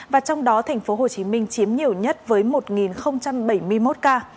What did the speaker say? và trong đó tp hcm chiếm nhiều nhất với một ca mắc covid một mươi chín